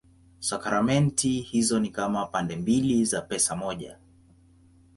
Sakramenti hizo ni kama pande mbili za pesa moja.